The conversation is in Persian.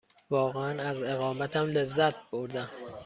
واقعاً از اقامتم لذت بردم.